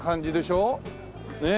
ねえ